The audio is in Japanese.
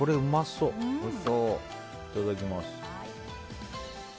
いただきます。